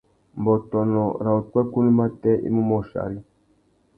Mbõtônô râ upwêkunú matê i mú môchia ari.